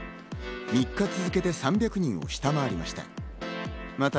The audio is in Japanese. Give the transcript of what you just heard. ３日続けて３００人を下回りました。